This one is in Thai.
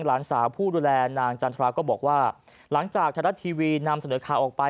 หลานสาวผู้ดูแลนางจันทราก็บอกว่าหลังจากไทยรัฐทีวีนำเสนอข่าวออกไป